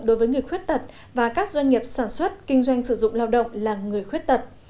đối với người khuyết tật và các doanh nghiệp sản xuất kinh doanh sử dụng lao động là người khuyết tật